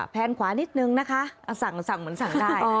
แนนขวานิดนึงนะคะสั่งเหมือนสั่งได้